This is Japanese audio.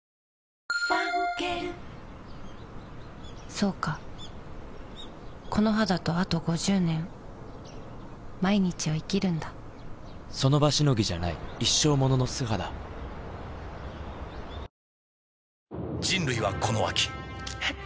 そうかこの肌とあと５０年その場しのぎじゃない一生ものの素肌人類はこの秋えっ？